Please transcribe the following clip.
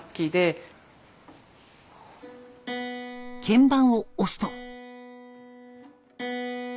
鍵盤を押すと。